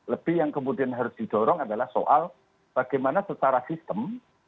lebih yang kemudian harus didorong adalah soal bagaimana secara sistem